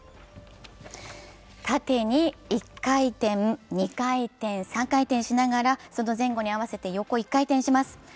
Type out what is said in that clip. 縦に１回転、２回転、３回転しながら、その前後に合わせて横１回転します